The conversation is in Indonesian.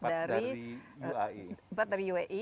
empat dari uae